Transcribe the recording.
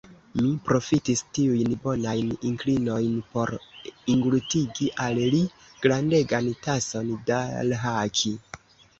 Mi profitis tiujn bonajn inklinojn por englutigi al li grandegan tason da rhaki.